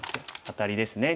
アタリですね。